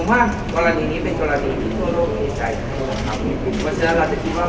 ผมว่าตัวละนี้เป็นตัวละนี้ที่ทั่วโลกมีใจทั้งหมดครับ